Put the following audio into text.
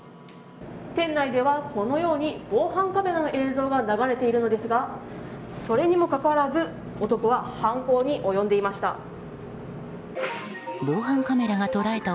店内ではこのように防犯カメラの映像が流れているのですがそれにもかかわらず男は犯行に及んでいました。